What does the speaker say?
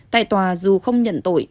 tại tòa dù không nhận tội